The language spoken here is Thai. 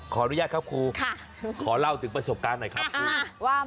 ขออนุญาตครับครูขอเล่าถึงประสบการณ์หน่อยครับครูว่า